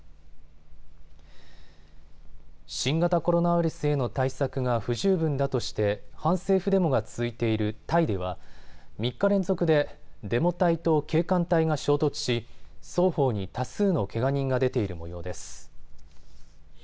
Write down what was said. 新型コロナウイルスへの対策が不十分だとして反政府デモが続いているタイでは３日連続でデモ隊と警官隊が衝突し双方に多数のけが人が出ているもようです。